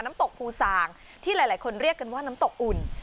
น้ำตกภูสางที่หลายคนเรียกกันว่าน้ำตกอุ่น